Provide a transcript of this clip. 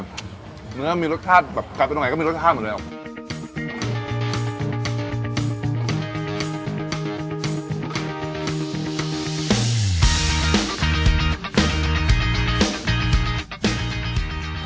เนื้อมีรสชาติแบบกลับไปตรงไหนก็มีรสชาติหมดเลยหรอ